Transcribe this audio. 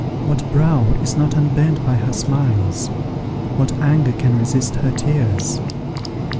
What brow is not unbent by her smiles? What anger can resist her tears?